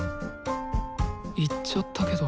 行っちゃったけど。